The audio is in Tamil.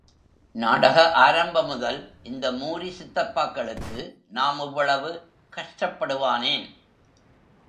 நாடக ஆரம்ப முதல், இந்த மூரி சித்தப்பாக்களுக்கு நாம் இவ்வளவு கஷ்டப்படுவானேன்?